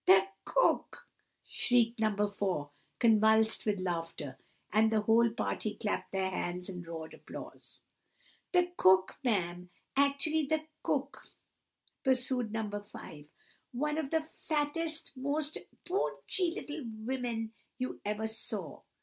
"The cook!" shrieked No. 4, convulsed with laughter; and the whole party clapped their hands and roared applause. "The cook, ma'am, actually the cook!" pursued No. 5, "one of the fattest, most poonchy little women you ever saw.